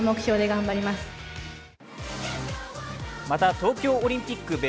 また東京オリンピック